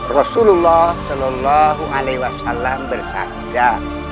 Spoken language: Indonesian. rasulullah saw bersahabat